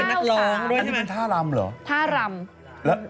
อันนี้เป็นท่ารำเหรอท่ารำ